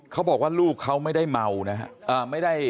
เขาบอกว่าลูกเขาไม่ได้เมานะครับ